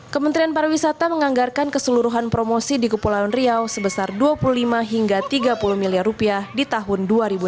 kementerian pariwisata menganggarkan keseluruhan promosi di kepulauan riau sebesar dua puluh lima hingga tiga puluh miliar rupiah di tahun dua ribu delapan belas